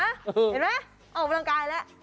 เห็นไหมออกกำลังกายแล้ว